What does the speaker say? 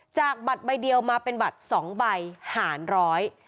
จากบัตรใบเดียวมาเป็นบัตรสองใบหารร้อย